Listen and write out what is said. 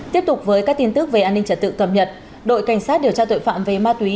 tiếp tục với các tin tức về an ninh trật tự cập nhật đội cảnh sát điều tra tội phạm về ma túy